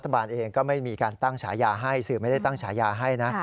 บานเองก็ไม่มีการตั้งฉายาให้สื่อไม่ได้ตั้งฉายาให้นะ